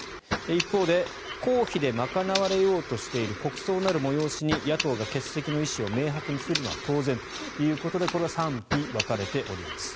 一方で公費で賄われようとしている国葬なる催しに野党が欠席の意思を明白にするのは当然ということでこれは賛否分かれております。